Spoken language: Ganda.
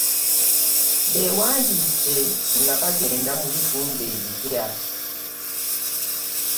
Bewandiise nga bagenda mu bitundu ebipya .